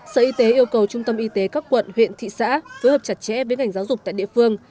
sở y tế yêu cầu trung tâm y tế các quận huyện thị xã phối hợp chặt chẽ với ngành giáo dục tại địa phương